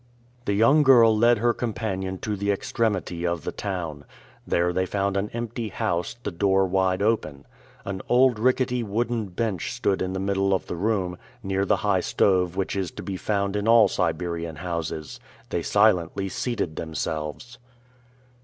The young girl led her companion to the extremity of the town. There they found an empty house, the door wide open. An old rickety wooden bench stood in the middle of the room, near the high stove which is to be found in all Siberian houses. They silently seated themselves.